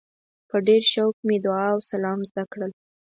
په ډېر شوق مې دعا او سلام زده کړل.